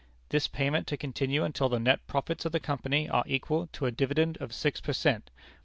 This payment to continue until the net profits of the Company are equal to a dividend of six per cent.